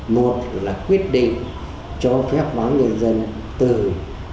một là quyết định cho phép bán trung ương